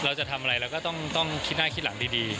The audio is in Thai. เราจะทำอะไรเราก็ต้องคิดหน้าคิดหลังดี